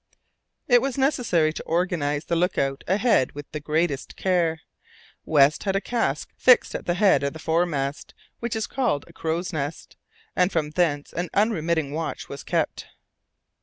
It was necessary to organize the look out ahead with the greatest care. West had a cask fixed at the head of the foremast what is called a crow's nest and from thence an unremitting watch was kept.